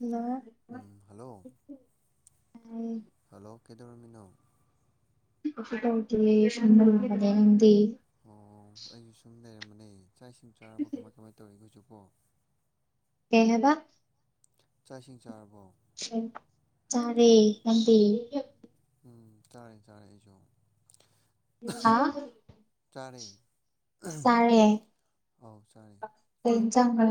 hello ꯎꯝ hello ꯇꯥꯏꯌꯦ hello ꯀꯩꯗꯧꯔꯃꯤꯅꯣ ꯀꯪꯁꯨ ꯇꯧꯗꯤꯌꯦ ꯁꯨꯝ ꯂꯩꯕꯅꯦ ꯅꯪꯗꯤ ꯑꯣ ꯑꯩꯁꯨ ꯁꯨꯝ ꯂꯩꯔꯝꯕꯅꯦ ꯆꯥꯛ ꯏꯁꯤꯡ ꯆꯥꯔꯕꫭ ꯀꯃꯥꯏ ꯀꯃꯥꯏꯅ ꯇꯧꯔꯤꯒꯦ ꯍꯧꯖꯤꯛ ꯑꯣ ꯀꯩ ꯍꯥꯏꯕ ꯆꯥꯛ ꯏꯁꯤꯡ ꯆꯥꯔꯕꫭ ꯆꯥꯔꯦ ꯅꯪꯗꯤ ꯎꯝ ꯆꯥꯔꯦ ꯆꯥꯔꯦ ꯑꯩꯁꯨ ꯍꯥ ꯆꯥꯔꯦ ꯆꯥꯔꯦ ꯑꯧ ꯆꯥꯔꯦ ꯀꯩ ꯏꯟꯖꯥꯡꯅꯣ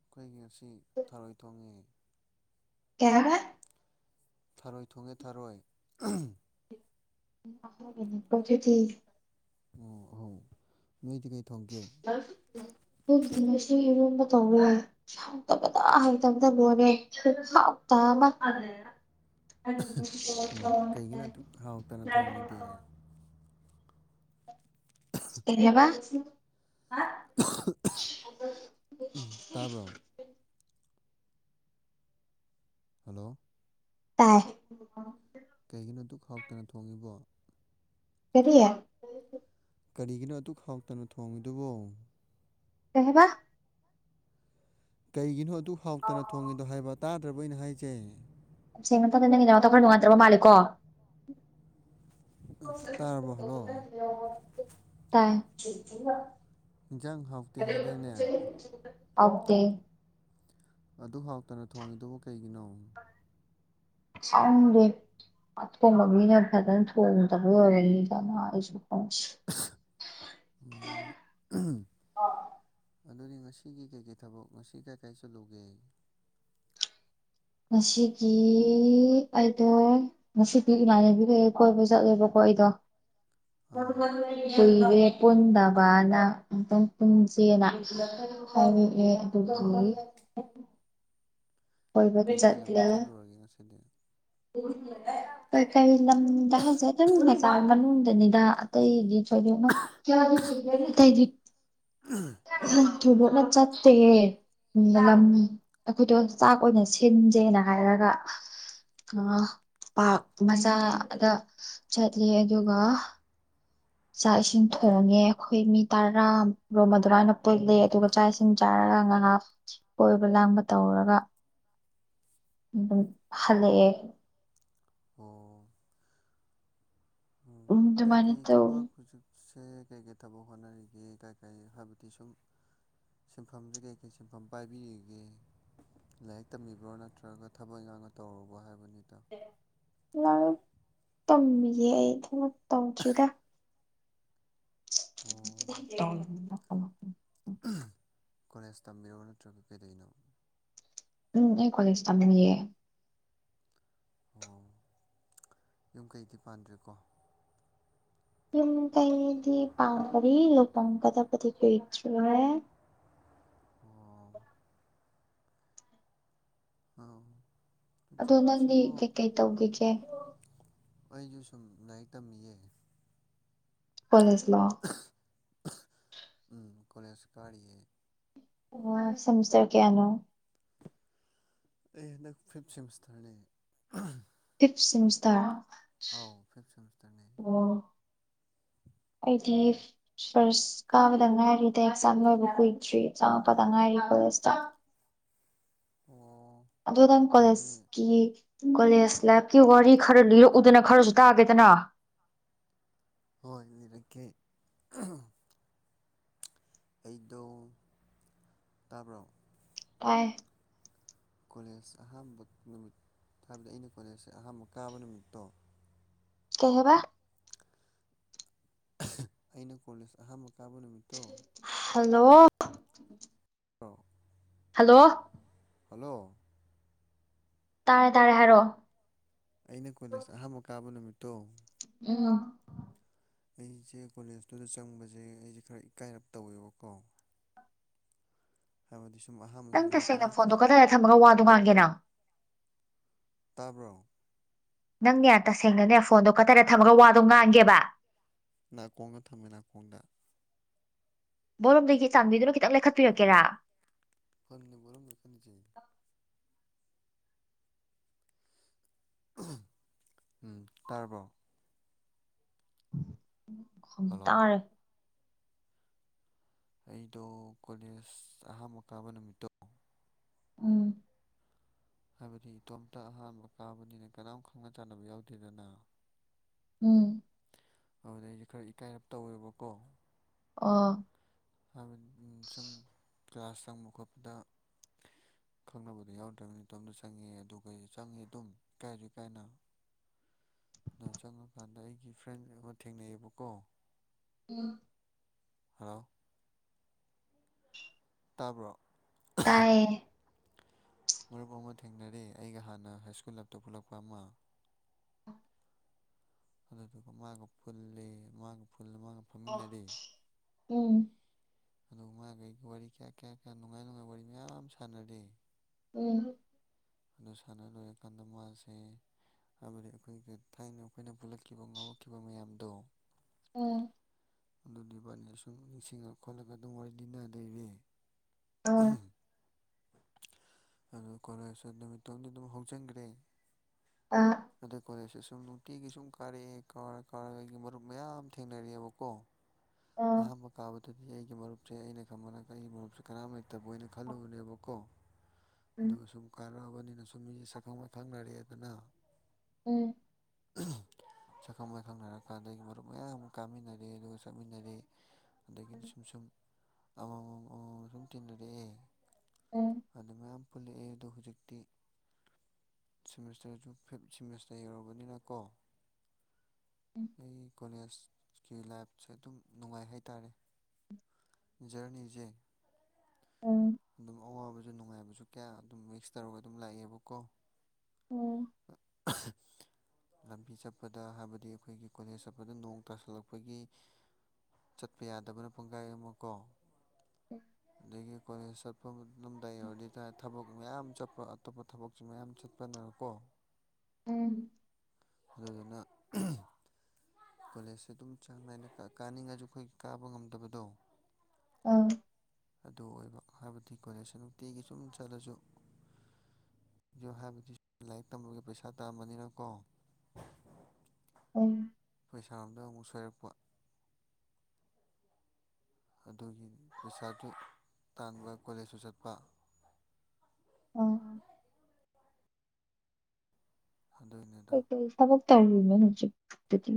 ꯑꯩꯈꯣꯏꯒꯤ ꯉꯁꯤ ꯊꯔꯣꯏ ꯊꯣꯡꯉꯦ ꯀꯩꯅꫭꯝꯃ ꯊꯔꯣꯏ ꯊꯣꯡꯉꯦ ꯊꯔꯣꯏ ꯑꯟꯏꯟꯇꯦꯜꯂꯤꯖꯦꯕꯜ ꯑꯣ ꯑꯧ ꯅꯣꯏꯗꯤ ꯀꯩ ꯊꯣꯡꯒꯦ ꯑꯟꯏꯟꯇꯦꯜꯂꯤꯖꯦꯕꯜ ꯇꯧꯔ ꯍꯥꯎꯇꯕꯗ ꯍꯇꯕꯗ ꯂꯣꯂꯦ ꯍꯥꯎ ꯑꯃ ꯑꯃ ꯀꯩꯒꯤꯅ ꯑꯗꯨ ꯍꯥꯎꯇꯅ ꯊꯣꯡꯉꯤꯗꯦ ꯁꯤꯔꯦꯕ ꯇꯥꯕꯣ ꯍꯜꯂꯣ ꯇꯥꯏ ꯀꯩꯒꯤꯅꯣ ꯗꯨꯛ ꯍꯥꯎꯇꯅ ꯊꯣꯡꯉꯤꯕꯣ ꯀꯔꯤꯌꯥ ꯀꯔꯤꯒꯤꯅꯣ ꯑꯗꯨ ꯈꯥꯎꯇꯅꯣ ꯊꯣꯡꯉꯤꯗꯨꯕꯣ ꯀꯍꯕ ꯀꯩꯒꯤꯅꯣ ꯑꯗꯨ ꯍꯥꯎꯇꯅ ꯊꯣꯡꯉꯤꯗꯣ ꯍꯥꯏꯕ ꯇꯥꯗ꯭ꯔꯕ ꯑꯩꯅ ꯍꯥꯏꯖꯩ ꯁꯦꯡ ꯃ ꯃꯇꯝꯗ ꯅꯪꯒꯤꯅꯥ ꯑꯇ ꯈꯔ ꯅꯨꯡꯉꯥꯏꯇ꯭ꯔꯕ ꯃꯥꯂꯀꯣ ꯇꯔꯔꯕ ꯍꯂꯣ ꯇꯥꯏ ꯏꯟꯖꯥꯡ ꯍꯥꯎꯇꯦ ꯍꯥꯏꯗꯥꯏꯅꯦ ꯑꯧꯦ ꯑꯗꯨ ꯍꯥꯎꯇꯅ ꯊꯣꯡꯉꯤꯗꯨꯕꯨ ꯀꯩꯒꯤꯅꯣ ꯁꯨꯔꯦ ꯑꯇꯣꯡꯕ ꯃꯤꯅ ꯐꯖꯅ ꯊꯣꯡꯗꯕ ꯑꯣꯏꯔꯅꯤꯗꯅ ꯑꯩꯁꯨ ꯑꯣ ꯑ ꯑꯗꯨꯅꯤ ꯉꯁꯤꯒꯤ ꯀꯩꯀꯩ ꯊꯕꯛ ꯉꯁꯤ ꯀꯥꯏ ꯀꯥꯏ ꯆꯠꯂꯨꯒꯦ ꯉꯁꯤꯒꯤ ꯑꯩꯗꯣ ꯉꯁꯤꯗꯤ ꯏꯃꯥꯏꯅꯕꯤ ꯂꯩꯦ ꯀꯣꯏꯕ ꯆꯠꯂꯦꯕꯣꯏ ꯍꯣꯏꯗꯣ ꯑꯥ ꯀꯨꯏꯔꯦ ꯄꯨꯟꯗꯕꯅ ꯑꯃꯇꯝ ꯄꯨꯟꯁꯦꯅ ꯍꯥꯏꯗꯤ ꯑꯦ ꯑꯣ ꯀꯩꯀꯩ ꯂꯝꯗ ꯆꯠꯂꯨꯔꯒꯦ ꯉꯁꯤꯗꯤ ꯀꯔꯤ ꯂꯝꯗ ꯍꯥꯏꯁꯦ ꯑꯗꯨꯝ ꯃꯆ ꯃꯅꯨꯡꯗꯅꯤꯗ ꯑꯇꯩꯒꯤ [unintelligible] ꯊꯨꯕꯣꯛꯅ ꯆꯠꯇꯦ ꯑꯩꯈꯣꯏꯗꯣ ꯆꯥꯛ ꯑꯣꯏꯅ ꯁꯤꯟꯖꯦꯅ ꯍꯥꯏꯔꯒ ꯄꯥꯛ ꯃꯆꯥꯗ ꯆꯠꯂꯤ ꯑꯗꯨꯒ ꯆꯥꯛ ꯏꯁꯤꯡ ꯊꯣꯡꯉꯦ ꯑꯩꯈꯣꯏ ꯃꯤ ꯇꯔꯥꯔꯣꯝ ꯑꯗꯨꯃꯥꯏꯅ ꯄꯣꯠꯂꯦ ꯑꯗꯨꯒ ꯆꯥꯛ ꯏꯁꯤꯡ ꯆꯥꯔꯥ ꯑꯔꯥꯡ ꯉꯍꯥꯛ ꯀꯣꯏꯕ ꯂꯥꯡꯕ ꯇꯧꯔꯒ ꯐꯂꯦ ꯑꯣ ꯎꯗꯨ ꯃꯅꯤ ꯇ ꯁꯦ ꯀꯩꯀꯩ ꯊꯕꯛ ꯍꯣꯠꯅꯔꯤꯒꯦ ꯀꯩ ꯀꯩ ꯍꯥꯏꯕꯗꯤ ꯁꯨꯝ ꯁꯤꯟꯐꯝꯁꯦ ꯀꯩꯀꯩ ꯁꯤꯟꯐꯝ ꯄꯥꯏꯕꯤꯔꯤꯒꯦ ꯂꯥꯏꯔꯤꯛ ꯇꯝꯕꯤꯕ꯭ꯔꯣ ꯅꯠꯇ꯭ꯔꯒ ꯊꯕꯛ ꯌꯥꯥꯡꯅ ꯇꯧꯔꯨꯕ꯭ꯔꯣ ꯍꯥꯏꯕ꯭ꯔ ꯂꯥꯛ ꯇꯝꯃꯤꯌꯦꯦ ꯑꯩ ꯊꯩꯅ ꯇꯧꯗ꯭ꯔꯤꯗ ꯑꯣ [unintelligible] ꯀꯣꯂꯦꯖ ꯇꯝꯕꯤꯔꯣ ꯅꯠꯇ꯭ꯔꯒ ꯀꯩꯗꯅꯣ ꯎꯝ ꯑꯩ ꯀꯣꯂꯦꯖ ꯇꯝꯅꯤꯡꯌꯦꯦ ꯑꯣ ꯌꯨꯝ ꯀꯩꯗꯤ ꯄꯥꯟꯗ꯭ꯔꯦꯀꯣ ꯀꯥꯏꯗꯤ ꯄꯥꯡ ꯄꯔꯤ ꯂꯄ ꯀꯗ ꯄꯊ ꯀꯁꯨꯦ ꯑꯣ ꯑ ꯑꯗꯣ ꯅꯪꯗꯤ ꯀꯩꯀꯩ ꯇꯧꯈꯤꯒꯦ ꯑꯩꯁꯨ ꯁꯨꯝ ꯂꯥꯏꯔꯤꯛ ꯇꯝꯃꯤꯌꯦ ꯐꯅꯤꯁꯂ ꯀꯂꯁꯨꯒꯥꯔꯤꯌꯦ ꯑꯣ ꯁꯁꯔ ꯀꯦꯌꯥꯅꯣ ꯑꯩ ꯍꯟꯗꯛ ꯐꯤꯞ ꯁꯤꯝꯁꯇꯅꯦ ꯐꯞꯁꯇꯔ ꯑꯥꯎ ꯐꯤꯞ ꯁꯦꯃꯤꯁꯇꯔꯅꯦ ꯑꯣ [inaudible] ꯑꯩꯗꯤ ꯑꯥ ꯐꯥꯔꯁ ꯀꯥꯕꯗ ꯉꯥꯏꯔꯤꯗ ꯑꯦꯛꯖꯥꯝ ꯂꯣꯏꯕ ꯀꯨꯏꯗ꯭ꯔꯤ ꯆꯪꯉꯛꯄꯗ ꯉꯥꯏꯔꯤ ꯁ ꯑꯣ ꯑꯗꯨ ꯅꯪ ꯑꯗꯨꯗꯤ ꯀꯣꯂꯦꯖꯀꯤ ꯀꯣꯂꯦꯖ ꯂꯥꯏꯐꯀꯤ ꯋꯥꯔꯤ ꯈꯔ ꯂꯤꯔꯛꯎꯗꯅ ꯈꯔꯁꯨ ꯇꯥꯒꯦꯗꯅ ꯍꯣꯏꯔꯀꯦ ꯑꯩꯗꯣ ꯇꯥꯕ꯭ꯔꯣ ꯄꯥꯏ ꯀꯣꯂꯦꯖ ꯑꯍꯥꯟꯕ ꯅꯨꯃꯤꯠ ꯍꯥꯏꯕꯗꯤ ꯑꯩꯅ ꯀꯣꯂꯦꯖꯁꯦ ꯑꯍꯥꯟꯕ ꯀꯥꯕ ꯅꯨꯃꯤꯠꯇꯣ ꯀꯩꯍꯕ ꯑꯩꯅ ꯀꯣꯂꯦꯖ ꯑꯍꯥꯟꯕ ꯀꯥꯕ ꯅꯨꯃꯤꯠꯇꯣ ꯍꯜꯂꯣ ꯍꯣ ꯍꯜꯂꯣ ꯍꯜꯂꯣ ꯇꯥꯔꯦ ꯇꯥꯔꯦ ꯍꯥꯏꯔꯣ ꯑꯩꯅ ꯀꯣꯂꯦꯁ ꯑꯍꯥꯟꯕ ꯀꯥꯕ ꯅꯨꯃꯤꯠꯇꯣ ꯑ ꯑꯩꯁꯦ ꯀꯣꯂꯦꯖꯇꯨꯗ ꯆꯪꯕꯁꯦ ꯑꯩꯁꯦ ꯈꯔ ꯏꯀꯥꯏꯔꯞ ꯇꯧꯋꯦꯕꯀꯣ ꯍꯥꯏꯕꯗꯤ ꯁꯨꯝ ꯑꯍꯥꯟꯕ ꯅꯪ ꯆꯪꯕꯁꯦ ꯇꯁꯦꯡꯅ ꯀꯅꯥꯝ ꯐꯣꯟꯗꯣ ꯈꯪ ꯀꯗꯥꯏꯗ ꯊꯝꯃꯒ ꯋꯥꯗꯣ ꯉꯥꯡꯒꯦ ꯅꯪ ꯇꯥꯕ꯭ꯔꯣ ꯅꯪꯅꯦ ꯇꯁꯦꯡꯅꯅꯦ ꯐꯣꯟꯗꯣ ꯀꯗꯥꯏꯔ ꯊꯝꯃꯒ ꯋꯥꯗꯣ ꯉꯥꯡꯒꯦꯕ ꯅꯥꯀꯣꯡꯒ ꯊꯝꯃꯦ ꯅꯥꯀꯣꯡꯗ ꯕꯣꯔꯣꯝꯗꯒꯤ ꯆꯥꯟꯕꯤꯗꯨꯅ ꯈꯤꯇꯪ ꯂꯩꯈꯠꯄꯤꯔꯛꯀꯦꯔꯥ ꯐꯅꯤ ꯃꯔꯨꯝꯀꯅꯤꯖ ꯎꯝ ꯇꯥꯔꯕ ꯈ ꯍꯜꯂꯣ ꯇꯥꯔꯦ ꯑꯩꯗꯣ ꯀꯣꯂꯦꯖ ꯑꯍꯥꯥꯟꯕ ꯀꯥꯕ ꯅꯨꯃꯤꯠꯇꯣ ꯎꯝ ꯍꯥꯏꯕꯗꯤ ꯏꯇꯣꯝꯇ ꯑꯍꯥꯟꯕ ꯀꯥꯕꯅꯤꯅ ꯀꯅꯥꯝ ꯈꯪꯅ ꯆꯥꯟꯅꯕ ꯌꯥꯎꯗꯦꯗꯅ ꯎꯝ ꯑꯗꯨꯗ ꯑꯩꯁꯦ ꯈꯔ ꯏꯀꯥꯏꯔꯞ ꯇꯧꯋꯦꯕꯀꯣ ꯑ ꯍꯥꯏꯕꯗꯤ ꯁꯨꯝ ꯀ꯭ꯂꯥꯁ ꯆꯪꯕ ꯈꯣꯠꯄꯗ ꯈꯪꯅꯕꯗ ꯌꯥꯎꯗ꯭ꯔꯕꯅꯤꯇꯣꯝꯗ ꯆꯪꯉꯦ ꯑꯗꯨꯒ ꯆꯪꯉꯤ ꯑꯗꯨꯝ ꯏꯀꯥꯏꯁ ꯀꯥꯏꯅ ꯑꯗꯨ ꯆꯪꯉꯀꯥꯟꯗ ꯑꯩꯒꯤ ꯐ꯭ꯔꯦꯟ ꯑꯃ ꯊꯦꯡꯅꯩꯌꯦꯕꯀꯣ ꯎꯝ ꯍꯂꯣ ꯇꯥꯕ꯭ꯔꯣ ꯇꯥꯏꯌꯦ ꯃꯔꯨꯞ ꯑꯃ ꯊꯦꯡꯅꯔꯦ ꯑꯩꯒ ꯍꯥꯟꯅ ꯍꯥꯏ ꯁ꯭ꯀꯨꯜ ꯂꯞꯇ ꯄꯨꯜꯂꯛꯄ ꯑꯃ ꯑꯗꯨꯗꯨꯒ ꯃꯥꯒ ꯄꯨꯜꯂꯤ ꯃꯥꯒ ꯄꯨꯜꯂ ꯃꯥꯒ ꯐꯝꯃꯤꯟꯅꯔꯦ ꯎꯝ ꯑꯗꯨꯒ ꯃꯥꯈꯩ ꯋꯥꯔꯤ ꯀꯌꯥ ꯀꯌꯥ ꯀꯌꯥ ꯅꯨꯡꯉꯥꯏ ꯅꯨꯡꯉꯥꯏ ꯋꯥꯔꯤ ꯃꯌꯥꯝ ꯑꯃ ꯁꯥꯟꯅꯔꯤ ꯎꯝ ꯑꯗꯨ ꯁꯥꯟꯅ ꯂꯣꯏꯔꯀꯥꯟꯗ ꯃꯥꯁꯦ ꯍꯥꯏꯕꯗꯤ ꯑꯩꯈꯣꯏꯒꯤ ꯊꯥꯏꯅ ꯑꯩꯈꯣꯏꯅ ꯄꯨꯜꯂꯛꯈꯤꯕ ꯉꯥꯎꯔꯛꯈꯤꯕ ꯃꯌꯥꯝꯗꯣ ꯎꯝ ꯑꯗꯨꯗꯤ ꯏꯕꯥꯅꯤ ꯁꯨꯝ ꯅꯤꯡꯁꯤꯡꯉ ꯈꯣꯠꯂꯒ ꯑꯗꯨꯝ ꯋꯥꯔꯤ ꯂꯤꯟꯅꯗꯔꯦ ꯑ ꯑꯗꯨ ꯀꯣꯂꯦꯖ ꯅꯨꯃꯤꯠꯇꯣꯗꯤ ꯑꯗꯨꯝ ꯍꯧꯖꯤꯟꯈ꯭ꯔꯦ ꯑꯗ ꯀꯁꯦ ꯁ ꯅꯨꯄꯤꯒꯤ ꯁꯨꯝ ꯀꯥꯔꯛꯑꯦ ꯀꯥꯎꯟ ꯀꯥꯔꯌꯥꯒꯤ ꯃꯔꯨꯞ ꯃꯌꯥꯝ ꯊꯦꯡꯅꯔꯛꯑꯦꯕꯀꯣ ꯑꯍꯥꯟꯕ ꯀꯥꯕꯗꯨꯗꯤ ꯑꯩꯒꯤ ꯃꯔꯨꯞꯁꯦ ꯑꯩꯅ ꯈꯪꯕꯒ ꯑꯩꯒꯤ ꯃꯔꯨꯞꯁꯦ ꯀꯅꯥꯝ ꯐꯠꯇꯕꯅ ꯈꯜꯂꯨꯕꯅꯦꯕꯀꯣ ꯑꯗꯨꯒ ꯁꯨꯝ ꯀꯥꯟꯅ ꯕꯅꯤꯅ ꯁꯨꯝ ꯃꯤꯁꯦ ꯁꯛꯈꯪ ꯃꯥꯏꯈꯪꯅꯔꯛꯑꯦꯗꯅ ꯎꯝ ꯑꯍꯝ ꯁꯛꯈꯪ ꯃꯥꯏꯈꯪꯅꯔꯀꯥꯟꯗꯒꯤ ꯃꯔꯨꯞ ꯃꯌꯥꯝ ꯑꯃ ꯀꯥꯃꯤꯟꯅꯔꯦ ꯑꯗꯨꯒ ꯆꯠꯃꯤꯟꯅꯔꯦ ꯑꯗꯒꯤꯗꯤ ꯁꯨꯝ ꯁꯨꯝ ꯑꯃꯃꯝ ꯑꯃꯃꯝ ꯁꯨꯝ ꯇꯤꯟꯅꯔꯛꯑꯦ ꯑꯗꯨ ꯃꯌꯥꯝ ꯄꯨꯜꯂꯛꯑꯦ ꯑꯗꯨ ꯍꯧꯖꯤꯛꯇꯤ ꯁꯤꯃꯤꯁꯇꯔꯁꯨ ꯐꯤꯞ ꯁꯤꯃꯤꯁꯇꯔ ꯌꯧꯔꯕꯅꯤꯅ ꯀꯣ ꯑꯩ ꯀꯣꯂꯦꯖꯀꯤ ꯂꯥꯏꯐꯁꯦ ꯑꯗꯨꯝ ꯅꯨꯡꯉꯥꯏ ꯍꯥꯏꯇꯥꯔꯦ ꯖꯔꯅꯤꯖꯦ ꯑꯝ ꯑꯋꯥꯕꯁꯨ ꯅꯨꯡꯉꯥꯏꯕꯁꯨ ꯀꯌꯥ ꯑꯗꯨꯝ ꯃꯤꯛꯁ ꯇꯧꯔꯒ ꯑꯗꯨꯝ ꯂꯥꯛꯑꯦꯕꯀꯣ [unintelligible] ꯂꯝꯕꯤ ꯆꯠꯄꯗ ꯍꯥꯏꯕꯗꯤ ꯑꯩꯈꯣꯏꯒꯤ ꯀꯣꯂꯦꯖ ꯆꯠꯄꯗ ꯅꯣꯡ ꯇꯥꯁꯤꯜꯂꯛꯄꯒꯤ ꯆꯠꯄ ꯌꯥꯗꯕꯅ ꯄꯨꯡꯈꯥꯏ ꯑꯃꯨꯀꯣ ꯎꯝ ꯑꯗꯒꯤ ꯀꯣꯂ‌ꯦꯖ ꯆꯠꯄ ꯑꯗꯨꯝꯗꯥ ꯌꯧꯔꯗꯤ ꯇꯥꯔ ꯊꯕꯛ ꯃꯌꯥꯝ ꯆꯠꯄ ꯑꯇꯣꯞꯄ ꯊꯕꯛꯁꯨ ꯃꯌꯥꯝ ꯆꯠꯄꯅꯀꯣ ꯎꯝ ꯑꯗꯨꯗꯨꯅ ꯀꯣꯂꯦꯖꯁꯦ ꯑꯗꯨꯝ ꯆꯥꯡ ꯅꯥꯏꯅ ꯀꯥ ꯀꯥꯅꯤꯡꯉꯁꯨ ꯑꯩꯈꯣꯏ ꯀꯥꯕ ꯉꯝꯗꯕꯗꯣ ꯑꯥ ꯑꯗꯨ ꯑꯣꯏꯕ ꯍꯥꯏꯕꯗꯤ ꯀ‌ꯣꯂꯦꯖ ꯅꯨꯡꯇꯤꯒꯤ ꯁꯨꯝ ꯆꯠꯂꯁꯨ ꯗꯤꯑꯣ ꯍꯥꯏꯕꯗꯤ ꯂꯥꯏꯔꯤꯛ ꯇꯝꯕꯒꯤ ꯄꯩꯁꯥ ꯇꯥꯟꯕꯅꯤꯅ ꯀꯣ ꯎꯝ ꯄꯩꯁꯥꯔꯣꯝꯗ ꯑꯃꯨꯛ ꯁꯣꯏꯔꯛꯄ ꯑꯗꯨꯒꯤ ꯄꯩꯁꯥꯁꯨ ꯇꯥꯡꯕ ꯀꯣꯂꯦꯖꯁꯨ ꯆꯠꯄ ꯑꯥ ꯑꯗꯨꯒꯤꯅꯤꯗ ꯀꯩꯀꯩ ꯊꯕꯛ ꯇꯧꯔꯤꯟꯅ‌ꯣ ꯍꯧꯖꯤꯛ ꯗꯨꯗꯤ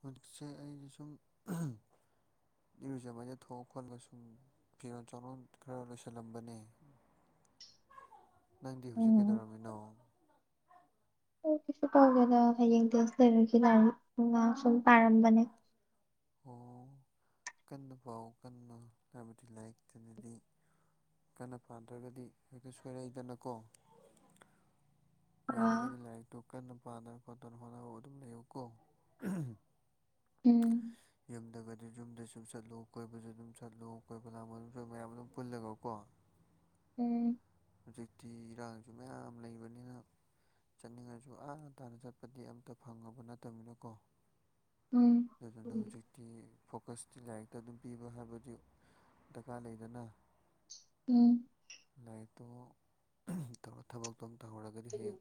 ꯍꯧꯖꯤꯛꯁꯦ ꯑꯩ ꯁꯨꯝ ꯑꯍꯝ ꯏꯔꯨꯖꯕꯗ ꯊꯣꯛꯑ ꯈꯣꯠꯂꯒ ꯁꯨꯝ ꯐꯤꯔꯣꯜ ꯆꯥꯔꯣꯟ ꯈꯔ ꯂꯣꯏꯁꯤꯜꯂꯝꯕꯅꯦ ꯅꯪꯗꯤ ꯍꯧꯖꯤꯛ ꯎꯝ ꯀꯩꯗꯧꯔꯝꯃꯤꯅꯣ ꯑꯣ ꯀꯩꯁꯨ ꯇꯧꯗ‌ꯦꯗ ꯍꯌꯦꯡ ꯇ‌ꯦꯁ ꯂꯩꯕꯒꯤ ꯂꯥꯡ ꯂꯥꯏꯔꯤꯛ ꯁꯨꯝ ꯄꯥꯔꯝꯕꯅꯦ ꯑꯣ ꯀꯟꯅ ꯄꯥꯎ ꯀꯟꯅ ꯍꯥꯏꯕꯗꯤ ꯂꯥꯏꯔꯤꯛꯇꯅꯗꯤ ꯀꯟꯅ ꯄꯥꯗ꯭ꯔꯒꯗꯤ ꯍꯦꯛꯇ ꯁꯣꯏꯔꯛꯏꯗꯅꯀꯣ ꯎꯝ ꯌꯥꯔꯤꯈꯩꯗꯤ ꯂꯥꯏꯔꯤꯛꯇꯨ ꯀꯟꯅ ꯄꯥꯗꯅ ꯈꯣꯠꯇꯅ ꯍꯣꯠꯅꯕ ꯑꯗꯨꯝ ꯂꯩꯌꯨꯀꯣ [inaudible] ꯌꯨꯝꯗꯒꯗꯤ ꯌꯨꯝꯗꯁꯨꯨꯝ ꯆꯠꯂꯨ ꯀꯣꯏꯕꯁꯨ ꯑꯗꯨꯝ ꯆꯠꯂꯨ ꯀꯣꯏꯕ ꯂꯥꯡꯕ ꯃꯗꯨꯝ ꯃꯌꯥꯝ ꯑꯗꯨꯝ ꯄꯨꯜꯂꯒ ꯀꯣ [unintelligible] ꯎꯝ ꯍꯧꯖꯤꯛꯇꯤ ꯏꯔꯥꯡꯁꯨ ꯃꯌꯥꯝ ꯂꯩꯕꯅꯤꯅ ꯆꯠꯅꯤꯡꯉꯁꯨ ꯑꯥ ꯇꯥꯅ ꯆꯠꯄꯗꯤ ꯑꯝꯇ ꯐꯪꯉꯕ ꯅꯠꯇꯕꯅꯤꯅꯀꯣ ꯎꯝ ꯑꯗꯨꯅ ꯍꯧꯖꯤꯛꯇꯤ ꯐꯣꯀꯁꯇꯤ ꯂꯥꯏꯔꯤꯛꯇ ꯑꯗꯨꯝ ꯄꯤꯕ ꯍꯥꯏꯕꯗꯤ ꯗꯔꯀꯥꯔ ꯂꯩꯗꯅ ꯎꯝ ꯑꯣ ꯑꯍꯝ ꯇꯧꯔ ꯊꯕꯛꯇꯣ ꯑꯃ ꯇꯧꯍꯧꯔꯒꯗꯤ ꯍꯌꯦꯡ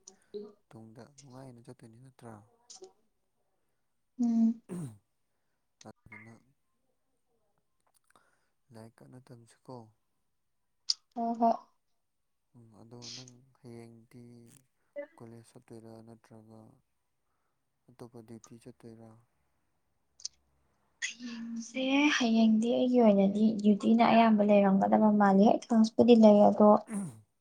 ꯇꯨꯡꯗ ꯅꯨꯡꯉꯥꯏꯅ ꯆꯠꯇꯣꯏꯅꯤ ꯅꯠꯇ꯭ꯔꯥ ꯎꯝ ꯄꯥꯠ ꯐꯖꯅ ꯂꯥꯏꯔꯤꯛ ꯀꯟꯅ ꯇꯝꯁꯤꯀꯣ ꯍꯣ ꯍꯣꯏ ꯎꯝ ꯑꯗꯣ ꯅꯪ ꯍꯌꯦꯡꯗꯤ ꯀꯣꯂꯦꯖ ꯆꯠ ꯆꯠꯇꯣꯏꯔꯥ ꯅꯠꯇ꯭ꯔꯒ ꯑꯇꯣꯞꯄ ꯗ꯭ꯌꯨꯇꯤ ꯆꯠꯇꯣꯏꯔꯥ ꯇꯥꯕ ꯉꯝꯗꯕ ꯁꯦ ꯍꯌꯦꯡꯗꯤ ꯑꯩꯒꯤ ꯑꯣꯏꯅꯗꯤ ꯗ꯭ꯌꯨꯇꯤꯅ ꯑꯌꯥꯝꯕ ꯂꯩꯔꯝꯒꯗꯕ ꯃꯥꯂꯤ ꯑꯩ ꯀ꯭ꯂꯥꯁꯄꯨꯗꯤ ꯂꯩꯔ ꯑꯣ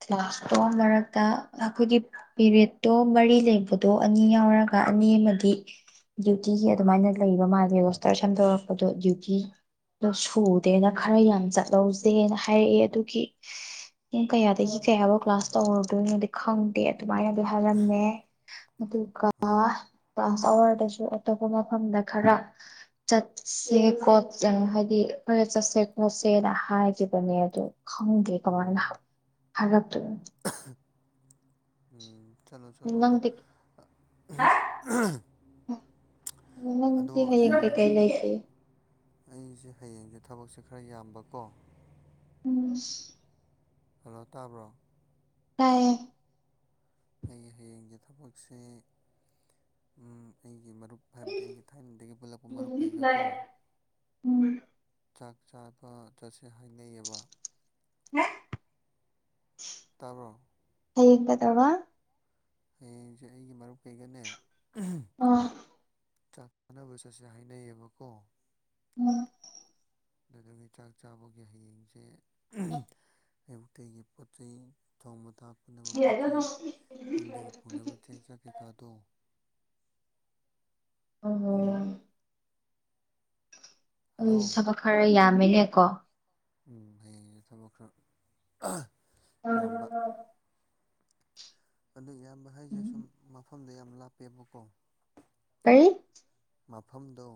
ꯀ꯭ꯂꯥꯁ ꯑꯣ ꯃꯔꯛꯇ ꯑꯩꯈꯣꯏꯒꯤ ꯄꯤꯔꯦꯠꯇꯣ ꯃꯔꯤ ꯂꯩꯕꯗꯣ ꯑꯅꯤ ꯌꯥꯎꯔꯒ ꯑꯅꯤ ꯑꯃꯗ ꯇꯤ ꯗ꯭ꯌꯨꯇꯤꯒꯤ ꯑꯗꯨꯃꯥꯏꯅ ꯂꯩꯕ ꯃꯥꯜꯂꯦ ꯔꯣꯁꯇꯔ ꯁꯦꯝꯗꯣꯔꯛꯄꯗꯣ ꯗ꯭ꯌꯨꯇꯤ ꯑꯣ ꯁꯨꯗꯦꯅ ꯈꯔ ꯌꯥꯝ ꯆꯠꯍꯧꯖꯦꯅ ꯍꯥꯏꯔꯛꯑꯦ ꯑꯗꯨꯒꯤ ꯄꯨꯡ ꯀꯌꯥꯗꯒꯤ ꯑꯣ ꯀꯌꯥꯐꯥꯎ ꯀ꯭ꯂꯥꯁ ꯑꯣ ꯇꯧꯔꯨꯗꯣꯏꯅꯣꯗꯤ ꯈꯪꯗꯦ ꯑꯗꯨꯃꯥꯏꯅꯗꯤ ꯍꯥꯏꯔꯝꯃꯦ ꯑꯗꯨꯒ ꯑꯥ ꯀ꯭ꯂꯥꯁ ꯑꯋꯥꯔꯗꯁꯨ ꯑꯇꯣꯞꯄ ꯃꯐꯝꯗ ꯈꯔ ꯆꯠꯁꯦ ꯈꯣꯠ ꯆꯪ ꯍꯥꯏꯗꯤ ꯑꯈꯣꯏꯒ ꯆꯠꯁꯦ ꯈꯣꯠꯁꯦꯅ ꯍꯥꯏꯈꯤꯕꯅꯦ ꯑꯗꯣ ꯈꯪꯗꯦ ꯀꯃꯥꯏꯅ ꯑꯣ ꯍꯥꯏꯔꯛꯇꯣꯏꯅꯣ ꯎꯝ ꯆꯠꯂꯣ ꯆꯠꯂꯣ ꯑꯗꯣ ꯅꯪꯗꯤ ꯑ ꯎꯍꯨ ꯎꯝ ꯅꯪꯗꯤ ꯍꯌꯦꯡ ꯀꯩ ꯀꯩ ꯂꯩꯒꯦ ꯑꯩꯁꯦ ꯍꯌꯦꯡꯁꯦ ꯊꯕꯛꯁꯦ ꯈꯔ ꯌꯥꯝꯕꯀꯣ ꯎꯪ ꯁꯁ ꯍꯜꯂꯣ ꯇꯥꯕ꯭ꯔꯣ ꯇꯥꯏꯌꯦ ꯑꯩꯒꯤ ꯍꯌꯦꯡꯒꯤ ꯊꯕꯛꯁꯦ ꯎꯝ ꯑꯩ ꯑꯩ ꯃꯔꯨꯞ ꯍꯥꯏꯕꯗꯤ ꯑꯩꯒꯤ ꯊꯥꯏꯅꯗꯒꯤ ꯄꯨꯜꯂꯛꯄ ꯃꯔꯨꯞ ꯀꯩꯒ ꯀꯣ ꯆꯥꯛ ꯆꯥꯕ ꯆꯠꯁꯦ ꯍꯥꯏꯅꯩꯌꯦꯕ [unintelligible] ꯇꯥꯕ꯭ꯔꯣ ꯇꯧꯕꯥ ꯍꯌꯦꯡꯁꯦ ꯑꯩꯒꯤ ꯃꯔꯨꯞ ꯀꯩꯒꯅꯦ ꯎꯝ ꯍ ꯑꯣ ꯆꯥꯛ ꯆꯥꯟꯅꯕ ꯆꯠꯁꯦ ꯍꯥꯏꯅꯩꯌꯦꯕꯀꯣ ꯎꯝ ꯑꯗꯨꯒꯤ ꯆꯥꯛ ꯆꯥꯕꯒꯤ ꯍꯌꯦꯡꯁꯦ ꯎꯝ ꯑꯌꯨꯛꯇꯒꯤ ꯄꯣꯠ ꯆꯩ ꯊꯣꯡꯕ ꯊꯥꯛ ꯄꯨꯅꯕ ꯄꯣꯠ ꯆꯩ ꯌꯨꯝꯗꯒꯤ ꯄꯨꯅꯕ ꯆꯦꯡ ꯆꯥꯛ ꯀꯩꯀꯥꯗꯣ ꯑꯣ ꯍꯜꯂꯣ ꯎꯝ ꯍꯜꯂꯣ ꯊꯕꯛ ꯈꯔ ꯌꯥꯝꯃꯦꯍꯦ ꯀꯣ ꯎꯝ ꯍꯌꯦꯡꯖꯦ ꯊꯕꯛ ꯈꯔ ꯑꯑ ꯌꯥꯝꯕ ꯑꯗꯨ ꯌꯥꯝꯕ ꯍꯥꯏꯁꯦ ꯁꯨꯝ ꯃꯐꯝꯗꯣ ꯌꯥꯝ ꯂꯥꯞꯄꯦꯕꯀꯣ ꯀꯔꯤ ꯃꯐꯝꯗꯣ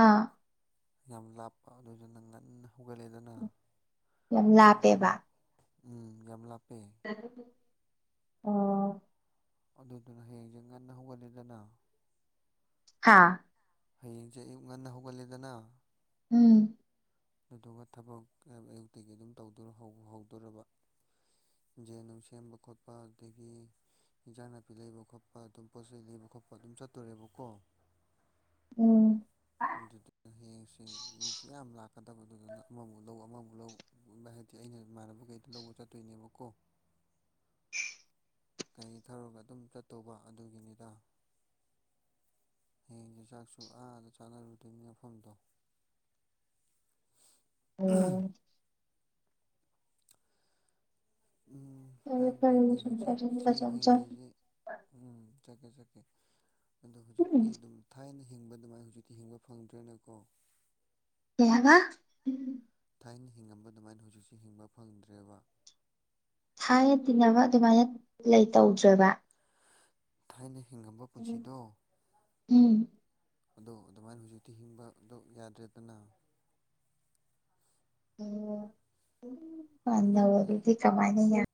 ꯑꯥ ꯌꯥꯝ ꯂꯥꯞꯄ ꯑꯗꯨꯗꯨꯅ ꯉꯟꯅ ꯍꯧꯒꯠꯂꯦꯗꯅ ꯑꯌꯨꯛ ꯉꯟꯅ ꯂꯥꯞꯄꯦꯕ ꯎꯝ ꯌꯥꯝ ꯂꯥꯞ ꯑꯣ ꯑꯗꯨꯗꯨꯅ ꯍꯌꯦꯡꯖꯦ ꯉꯟꯅ ꯍꯧꯒꯠꯂꯦꯗꯅ ꯍꯥꯥ ꯍꯌꯦꯡꯖꯦ ꯑꯌꯨꯛ ꯉꯟꯅ ꯍꯧꯒꯠꯂꯦꯗꯅ ꯎꯝ ꯑꯗꯨꯗꯨꯒ ꯊꯕꯛ ꯑꯌꯨꯛꯇꯒꯤ ꯑꯗꯨꯝ ꯇꯧꯗꯣꯔ ꯍꯧꯕꯨ ꯍꯧꯗꯣꯔꯕ ꯌꯦꯖꯦꯟ ꯅꯨꯡ ꯁꯦꯝꯕ ꯈꯣꯠꯄ ꯑꯗꯨꯗꯒꯤ ꯏꯟꯖꯥꯡ ꯅꯥꯄꯤ ꯂꯩꯕ ꯈꯣꯠꯄ ꯑꯗꯨꯝ ꯄꯣꯠ ꯆꯩꯩ ꯂꯩꯕ ꯈꯣꯠꯄ ꯑꯗꯨꯝ ꯆꯠꯇꯣꯔꯦꯕꯀꯣ ꯎꯝ ꯑꯗꯨꯗꯨꯅ ꯍꯌꯦꯡꯁꯦ ꯃꯤꯁꯨ ꯌꯥꯝ ꯂꯥꯛꯀꯗꯕꯗꯨꯗꯨꯅ ꯑꯃꯕꯨ ꯂꯧ ꯑꯃꯃꯕꯨ ꯂꯧ ꯑꯗꯨ ꯑꯩꯅ ꯏꯃꯥꯟꯅꯕꯈꯩꯗꯣ ꯂꯧꯕ ꯆꯠꯇꯣꯏꯅꯦꯕꯀꯣ ꯀ ꯊꯧꯔꯒ ꯑꯗꯨꯝ ꯆꯠꯇꯧꯕ ꯑꯗꯨꯒꯤꯅꯤꯗ ꯍꯌꯦ ꯆꯥꯛꯁꯨ ꯑꯥꯗ ꯆꯥꯅꯔꯨꯗꯣꯏꯅꯤ ꯃꯐꯝꯗꯣ ꯎꯝ ꯐꯔꯦ ꯍꯥꯏꯕꯗꯤ ꯐꯔꯦ ꯑꯩꯈꯣꯏ ꯍꯧꯖꯤꯛꯁꯦ ꯍꯤꯡꯉꯤꯁꯦ ꯎ ꯦꯦ ꯑꯗꯨ ꯎꯝ ꯍꯧꯖꯤꯛꯇꯤ ꯑꯗꯨꯝ ꯊꯥꯏꯅ ꯍꯤꯡꯕ ꯑꯗꯨꯃꯥꯏꯅ ꯍꯧꯖꯤꯛꯇꯤ ꯍꯤꯡꯕ ꯐꯪꯗ꯭ꯔꯦꯅꯀꯣ ꯌꯥꯒ ꯊꯥꯏꯅ ꯍꯤꯡꯉꯝꯕ ꯑꯗꯨꯃꯥꯏꯅ ꯍꯧꯖꯤꯛꯁꯦ ꯍꯤꯡꯕ ꯐꯪꯗ꯭ꯔꯦꯕ ꯊꯥꯏꯅ ꯇꯤꯟꯅꯕ ꯑꯗꯨꯃꯥꯏꯅ ꯂꯩ ꯇꯧꯗ꯭ꯔꯕ ꯊꯥꯏꯅ ꯍꯤꯡꯉꯝꯕ ꯄꯨꯟꯁꯤꯗꯣ ꯎꯝ ꯑꯗꯣ ꯑꯗꯨꯃꯥꯏꯅ ꯍꯧꯖꯤꯛꯇꯤ ꯍꯤꯡꯕꯗꯣ ꯌꯥꯗ꯭ꯔꯦꯗꯅ ꯅ ꯍꯧꯖꯤꯛꯇꯤ ꯑꯗꯨꯗꯤ ꯀꯃꯥꯏꯅꯤ ꯌꯥ